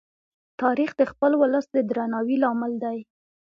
تاریخ د خپل ولس د درناوي لامل دی.